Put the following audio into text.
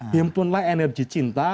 himpunlah energi cinta